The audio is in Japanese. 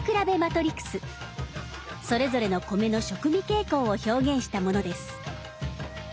それぞれの米の食味傾向を表現したものです。